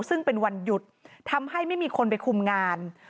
ซึ่งเป็นวันหยุดทำให้ไม่มีคนไปคุมงาน